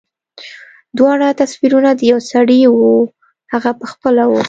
دواړه تصويرونه د يوه سړي وو هغه پخپله و.